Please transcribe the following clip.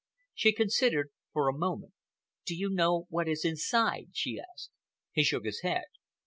She considered for a moment. "Do you know what is inside?" she asked. He shook his head.